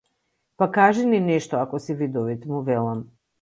Па кажи ни нешто ако си видовит, му велам.